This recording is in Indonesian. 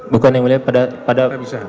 bukan yang mulia pada